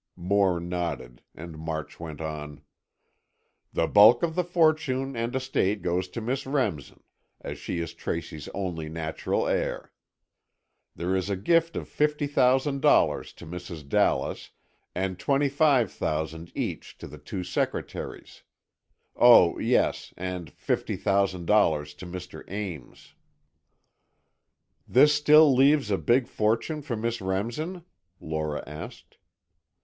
Moore nodded, and March went on: "The bulk of the fortune and estate goes to Miss Remsen, as she is Tracy's only natural heir. There is a gift of fifty thousand dollars to Mrs. Dallas and twenty five thousand each to the two secretaries. Oh, yes, and fifty thousand dollars to Mr. Ames." "This still leaves a big fortune for Miss Remsen?" Lora asked.